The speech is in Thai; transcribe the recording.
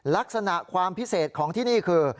ลักษณะความพิเศษของที่นี่คือ